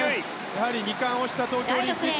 やはり２冠をした東京オリンピック。